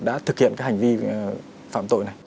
đã thực hiện hành vi phạm tội này